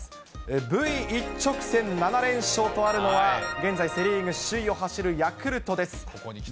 Ｖ一直線７連勝とあるのは現在セ・リーグ首位を走るヤクルトです。